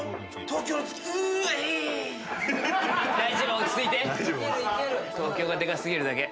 東京がでか過ぎるだけ。